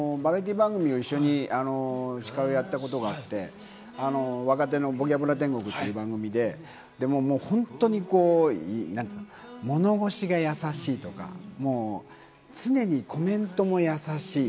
バラエティー番組を一緒に司会をやったことがあって、若手の『ボキャブラ天国』という番組で本当に物腰が優しいとか、常にコメントも優しい。